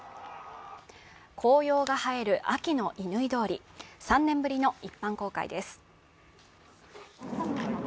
紅葉が映える秋の乾通り、３年ぶりの一般公開です。